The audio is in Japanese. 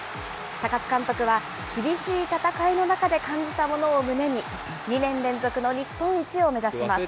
高津監督は、厳しい戦いの中で感じたものを胸に、２年連続の日本一を目指します。